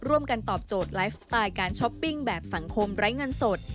ตอบโจทย์ไลฟ์สไตล์การช้อปปิ้งแบบสังคมไร้เงินสด